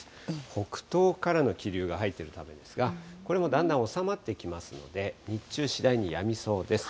北東からの気流が入っているためですが、これもだんだん収まってきますので、日中、次第にやみそうです。